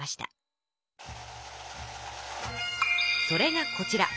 それがこちら。